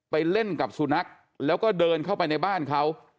เล่นกับสุนัขแล้วก็เดินเข้าไปในบ้านเขา